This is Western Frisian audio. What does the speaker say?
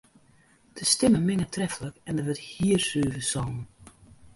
De stimmen minge treflik en der wurdt hiersuver songen.